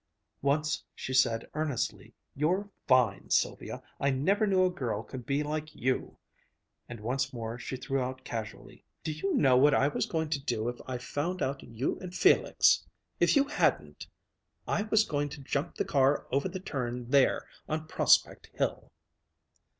Once she said earnestly: "You're fine, Sylvia! I never knew a girl could be like you!" And once more she threw out casually: "Do you know what I was going to do if I found out you and Felix if you hadn't...? I was going to jump the car over the turn there on Prospect Hill."